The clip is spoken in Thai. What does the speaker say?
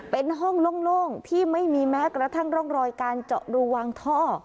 เป็นห้องโล่งที่ไม่มีแม้กระทั่งร่องรอยการเจาะรูวางท่อ